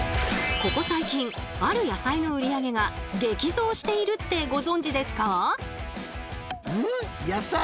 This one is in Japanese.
ここ最近ある野菜の売り上げが激増しているってご存じですか？